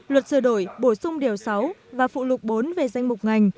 luật sửa đổi bổ sung điều sáu và phụ lục bốn về danh mục ngành